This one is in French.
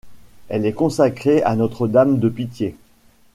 Elle est consacrée à Notre-Dame de Pitié.